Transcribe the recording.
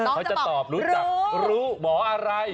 น้องจะตอบรู้จักหมออะไร